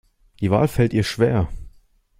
Die Wahl fällt ihr schwer.